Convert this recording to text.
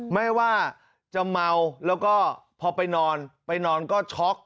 ไม่ว่าจะเมาแล้วก็พอไปนอนไปนอนก็ช็อก